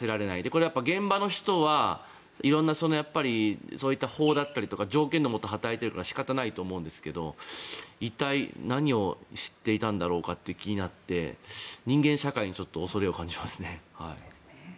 これは現場の人は色んなそういった法だったりとか条件のもと働いているから仕方がないと思うんですが一体、何をしていたんだろうかという気になって人間社会に恐れを感じますね。